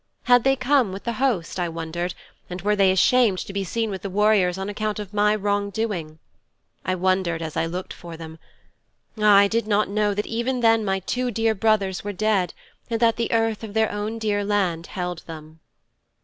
Had they come with the host, I wondered, and were they ashamed to be seen with the warriors on account of my wrong doing? I wondered as I looked for them. Ah, I did not know that even then my two dear brothers were dead, and that the earth of their own dear land held them.'